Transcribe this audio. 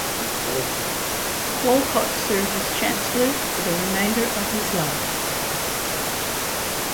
Wolcott served as Chancellor for the remainder of his life.